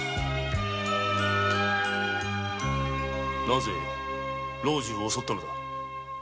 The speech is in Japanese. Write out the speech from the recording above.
なぜ老中を襲ったのだ？